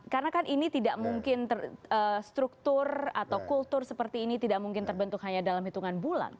karena kan ini tidak mungkin struktur atau kultur seperti ini tidak mungkin terbentuk hanya dalam hitungan bulan